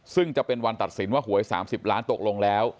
ซึ่งจะเป็นวันตัดสินว่าหวย๓๐ล้านตกลงแล้ว